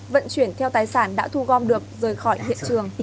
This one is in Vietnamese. vận chuyển theo tài sản đã thu gom được rời khỏi hiện trường